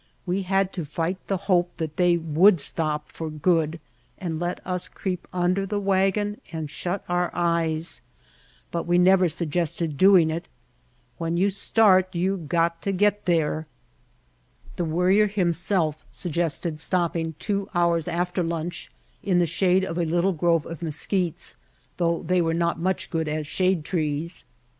We had to fight the hope that they would stop for good and let us creep under the wagon and shut our eyes; but we never suggested doing it. "When you start you got to get there." The Worrier himself suggested stopping two hours after lunch in the shade of a little grove of mesquites, though they were not much good The Burning Sands as shade trees.